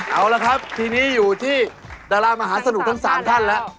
เอาละครับทีนี้อยู่ที่ดารามหาสนุกทั้ง๓ท่านแล้ว